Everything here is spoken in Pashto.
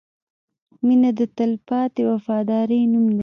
• مینه د تلپاتې وفادارۍ نوم دی.